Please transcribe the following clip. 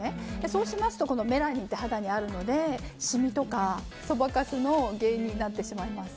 そうしますとメラニンって肌にあるのでシミとかそばかすの原因になってしまいます。